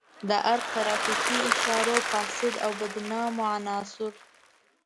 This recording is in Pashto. د ارګ ترافیکي اشارو فاسد او بدنامه عناصر.